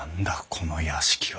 この屋敷は。